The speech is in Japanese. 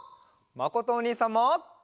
まことおにいさんも。